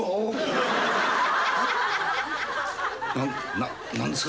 な何ですか？